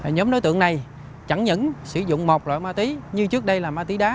nhóm đối tượng này chẳng nhẫn sử dụng một loại ma túy như trước đây là ma túy đá